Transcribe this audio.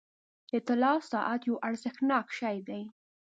• د طلا ساعت یو ارزښتناک شی دی.